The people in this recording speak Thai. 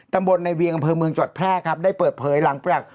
ตำบลในเวียงอำเภอเมืองจังหวัดแพร่ครับได้เปิดเผยหลังจาก